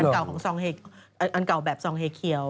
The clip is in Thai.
แต่อันเก่าแบบซองเฮเคียว